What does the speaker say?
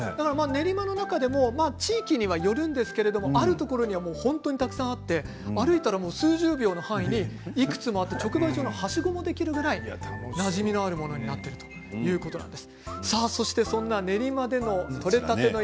練馬の中でも地域によるんですが、あるところには本当にたくさんあって数十秒の範囲に直売所のはしごができるぐらいなじみになるのになっているということです。